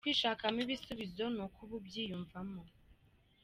kwishakamo ibisubizo ni uko uba ubyiyumvamo.